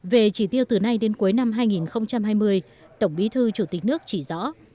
về chỉ tiêu từ nay đến cuối năm hai nghìn hai mươi tổng bí thư chủ tịch nước chỉ rõ